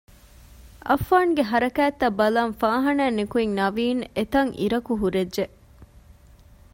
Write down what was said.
އައްފާންގެ ހަރަކާތްތަކަށް ބަލަން ފާހާނާއިން ނިކުތް ނަވީން އެތަށް އިރަކު ހުރެއްޖެ